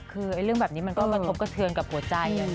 คือเรื่องแบบนี้ก็มาทบกระเทือนกับหัวใจนะ